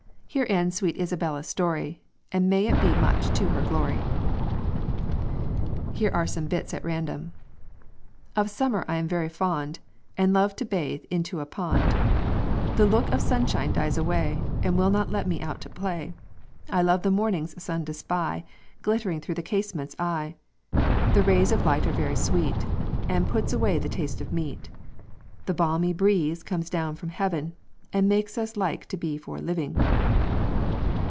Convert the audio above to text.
Here ends sweet Isabella's story, And may it be much to her glory." Here are some bits at random: "Of summer I am very fond, And love to bathe into a pond: The look of sunshine dies away, And will not let me out to play; I love the morning's sun to spy Glittering through the casement's eye; The rays of light are very sweet, And puts away the taste of meat; The balmy breeze comes down from heaven, And makes us like for to be living."